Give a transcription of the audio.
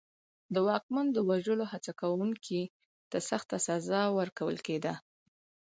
د واکمن د وژلو هڅه کوونکي ته سخته سزا ورکول کېده.